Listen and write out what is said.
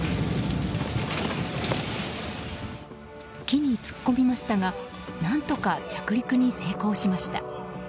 木に突っ込みましたが何とか着陸に成功しました。